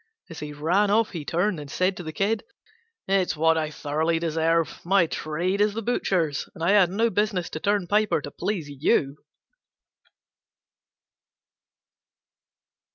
As he ran off, he turned and said to the Kid, "It's what I thoroughly deserve: my trade is the butcher's, and I had no business to turn piper to please you."